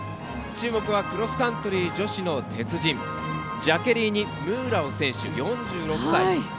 注目はクロスカントリー女子の鉄人ジャケリーニ・ムーラオ選手４６歳。